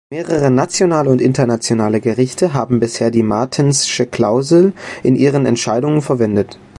Mehrere nationale und internationale Gerichte haben bisher die Martens’sche Klausel in ihren Entscheidungen verwendet.